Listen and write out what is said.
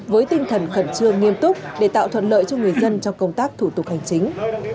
với tinh thần khẩn trương nghiêm túc để tạo thuận lợi cho người dân trong công tác thủ tục hành chính